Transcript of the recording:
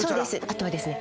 あとはですね。